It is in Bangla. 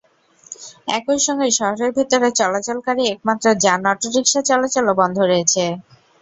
একই সঙ্গে শহরের ভেতরে চলাচলকারী একমাত্র যান অটোরিকশা চলাচলও বন্ধ রয়েছে।